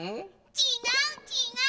ちがうちがう！